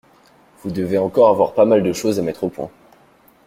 Vous devez encore avoir pas mal de choses à mettre au point.